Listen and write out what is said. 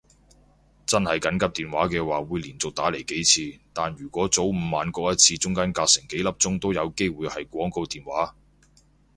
真係緊急電話嘅話會連續打嚟幾次，但如果早午晚各一次中間隔成幾粒鐘都有機會係廣告電話